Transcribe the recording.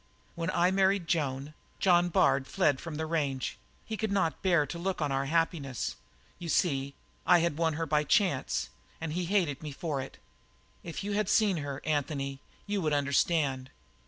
"When I married Joan, John Bard fled from the range; he could not bear to look on our happiness. You see, I had won her by chance, and he hated me for it. If you had ever seen her, Anthony, you would understand.